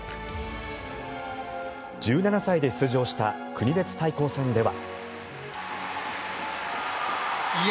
１７歳で出場した国別対抗戦では。